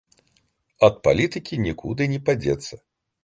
Ад палітыкі нікуды не падзецца!